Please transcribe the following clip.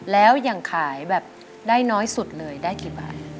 แล้วอย่างขายแบบได้น้อยสุดเลยได้กี่บาท